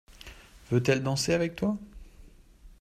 Veut-elle danser avec toi?